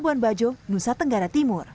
bagaimana menurut anda